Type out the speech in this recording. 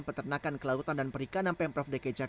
peternakan kelautan dan perikanan pemprov dki jakarta